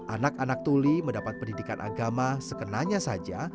anak anak tuli mendapat pendidikan agama sekenanya saja